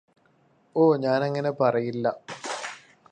ഓ ഞാനങ്ങനെ പറയില്ല